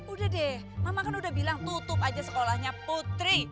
udah deh mama kan udah bilang tutup aja sekolahnya putri